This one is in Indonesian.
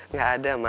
nggak ada ma